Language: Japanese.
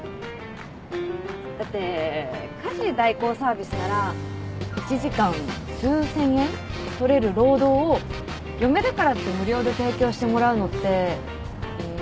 だって家事代行サービスなら１時間数千円取れる労働を嫁だからって無料で提供してもらうのってうん。